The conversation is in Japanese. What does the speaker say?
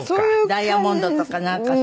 ダイヤモンドとかなんかさ。